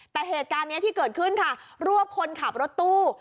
แต่เหตุการณ์นี้ที่เกิดขึ้นค่ะรวบคนขับรถตู้